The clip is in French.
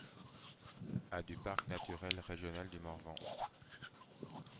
À du parc naturel régional du Morvan.